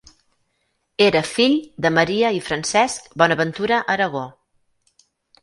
Era fill de Maria i Francesc Bonaventura Aragó.